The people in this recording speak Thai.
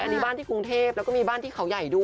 อันนี้บ้านที่กรุงเทพแล้วก็มีบ้านที่เขาใหญ่ด้วย